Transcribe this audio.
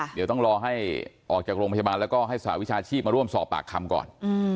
เดี๋ยวต้องรอให้ออกจากโรงพยาบาลแล้วก็ให้สหวิชาชีพมาร่วมสอบปากคำก่อน